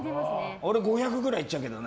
俺、５００ｇくらいいっちゃうけどね。